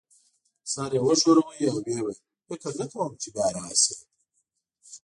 سر یې وښوراوه او ويې ویل: فکر نه کوم چي بیا راشې.